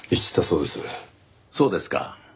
そうですか。